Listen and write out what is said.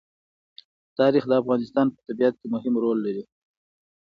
تاریخ د افغانستان په طبیعت کې مهم رول لري.